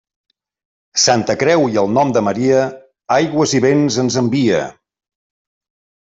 Santa Creu i el nom de Maria, aigües i vents ens envia.